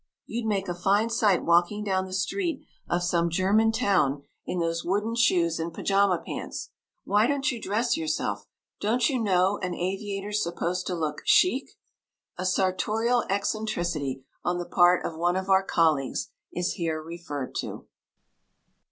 You'd make a fine sight walking down the street of some German town in those wooden shoes and pyjama pants. Why don't you dress yourself? Don't you know an aviator's supposed to look chic?" A sartorial eccentricity on the part of one of our colleagues is here referred to.